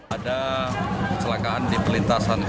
ada keselakaan di pelintasan kereta